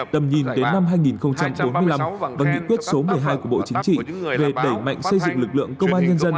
tầm nhìn đến năm hai nghìn bốn mươi năm và nghị quyết số một mươi hai của bộ chính trị về đẩy mạnh xây dựng lực lượng công an nhân dân